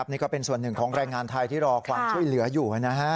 นี่ก็เป็นส่วนหนึ่งของแรงงานไทยที่รอความช่วยเหลืออยู่